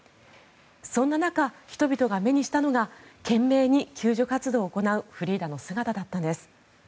そんな中、人々が目にしたのが懸命に救助活動を行うフリーダの姿だったんです。